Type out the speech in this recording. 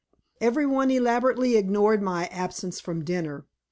Every one elaborately ignored my absence from dinner.